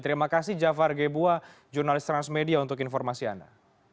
terima kasih jafar gebua jurnalis transmedia untuk informasi anda